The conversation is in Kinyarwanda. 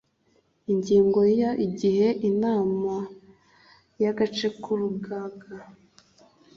Ingingo ya Igihe Inama y agace k Urugaga